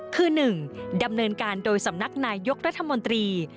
คือ๑ดำเนินการโดยสำนักนายยกรัฐมนตรี